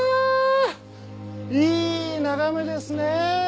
いい眺めですね！